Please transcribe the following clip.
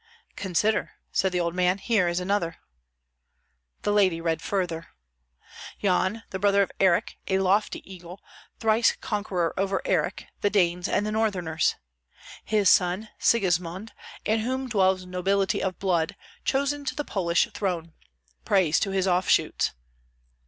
"Consider," said the old man. "Here is another." The lady read further: "Yan, the brother of Erick, a lofty eagle, thrice conqueror over Erick, the Danes, and the Northerners. His son Sigismund, in whom dwells nobility of blood, chosen to the Polish throne. Praise to his offshoots!"